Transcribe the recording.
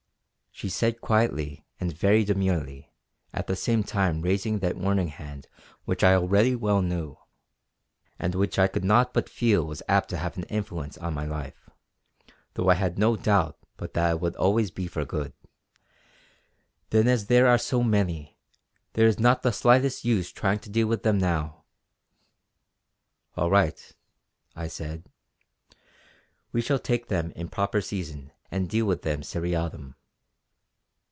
She said quietly and very demurely, at the same time raising that warning hand which I already well knew, and which I could not but feel was apt to have an influence on my life, though I had no doubt but that it would always be for good: "Then as there are so many, there is not the slightest use trying to deal with them now." "All right" I said "we shall take them in proper season and deal with them seriatim."